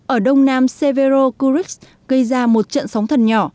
ở đông nam severo kurix gây ra một trận sóng thần nhỏ